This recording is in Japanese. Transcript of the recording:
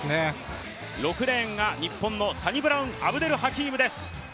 ６レーンが日本のサニブラウン・アブデル・ハキームです。